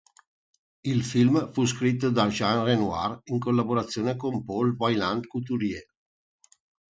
Il film fu scritto da Jean Renoir in collaborazione con Paul Vaillant-Couturier.